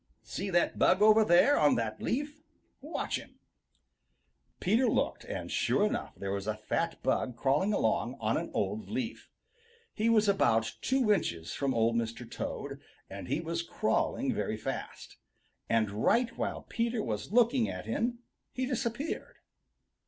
See that bug over there on that leaf? Watch him." Peter looked, and sure enough there was a fat bug crawling along on an old leaf. He was about two inches from Old Mr. Toad, and he was crawling very fast. And right while Peter was looking at him he disappeared.